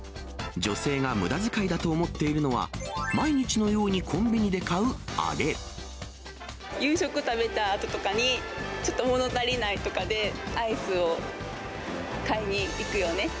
女性がむだづかいだと思っているのは、夕食食べたあととかに、ちょっともの足りないとかで、アイスを買いに行くよね？